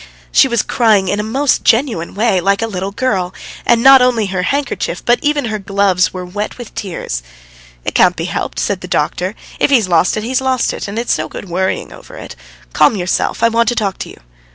She was crying in a most genuine way, like a little girl, and not only her handkerchief, but even her gloves, were wet with tears. "It can't be helped!" said the doctor. "If he's lost it, he's lost it, and it's no good worrying over it. Calm yourself; I want to talk to you."